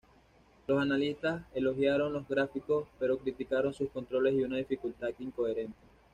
Los analistas elogiaron los gráficos pero criticaron sus controles y una dificultad incoherente.